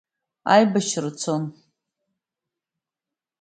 Аибашьра цон.